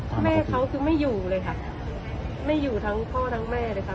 พ่อแม่เขาคือไม่อยู่เลยค่ะไม่อยู่ทั้งพ่อทั้งแม่เลยค่ะ